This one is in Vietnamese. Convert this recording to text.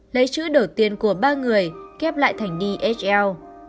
lấy chữ đầu tiên của ba người kép lại thành dhl